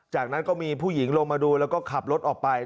จากนั้นก็มีผู้หญิงลงมาดูแล้วก็ขับรถออกไป